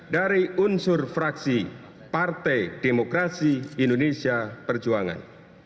dari unsur fraksi partai demokrasi indonesia perjuangan